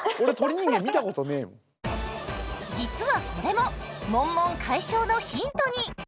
実はこれもモンモン解消のヒントに！